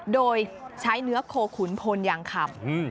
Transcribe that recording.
โดยใช้เนื้อโคขุนพลยางคำ